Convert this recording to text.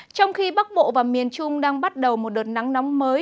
trong khi bắc bộ và miền trung đang bắt đầu một đợt nắng nóng mới